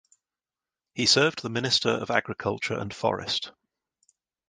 He served the Minister of Agriculture and Forest.